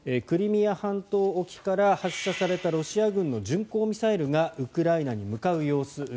クリミア半島沖から発射されたロシア軍の巡航ミサイルがウクライナに向かう様子